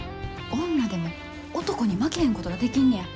女でも男に負けへんことができんねや。